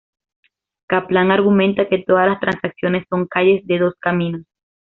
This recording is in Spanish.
Caplan argumenta que todas las transacciones son calles de dos caminos.